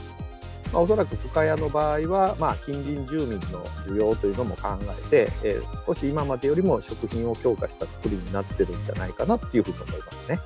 恐らく深谷の場合は、近隣住民の需要というのも考えて、少し今までよりも食品を強化した作りになっているんじゃないかな